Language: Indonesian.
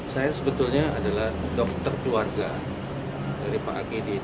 saya sebetulnya adalah dokter keluarga dari pak akidi